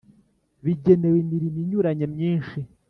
bigenewe imirimo inyuranye myinshi